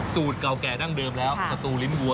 เก่าแก่ดั้งเดิมแล้วสตูลิ้นวัว